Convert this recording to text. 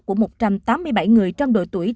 của một trăm tám mươi bảy người trong đội tuyển